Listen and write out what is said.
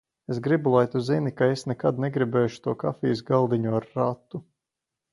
Es gribu, lai tu zini, ka es nekad negribēšu to kafijas galdiņu ar ratu.